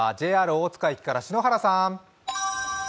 ＪＲ大塚駅から、篠原さん。